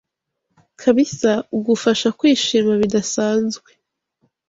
kabisa ugufasha kwishima bidasanzwe,